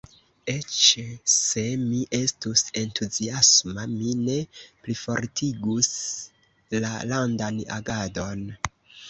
Eĉ se mi estus entuziasma, mi ne plifortigus la landan agadon.